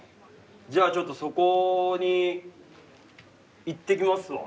じゃあちょっとそこに行ってきますわ。